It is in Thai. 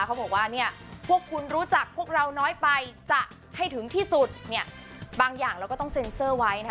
เขาบอกว่าเนี่ยพวกคุณรู้จักพวกเราน้อยไปจะให้ถึงที่สุดเนี่ยบางอย่างเราก็ต้องเซ็นเซอร์ไว้นะคะ